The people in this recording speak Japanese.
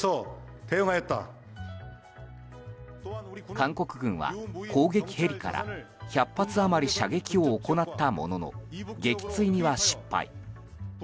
韓国軍は、攻撃ヘリから１００発余り射撃を行ったものの撃墜には失敗。